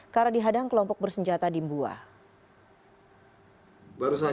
karena dihadang kelompok bersenjata dinihari